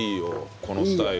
このスタイル。